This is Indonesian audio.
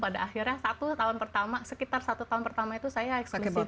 pada akhirnya satu tahun pertama sekitar satu tahun pertama itu saya eksklusif